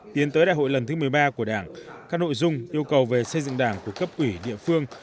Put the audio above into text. tiến tới đại hội lần thứ một mươi ba của đảng các nội dung yêu cầu về xây dựng đảng của cấp ủy địa phương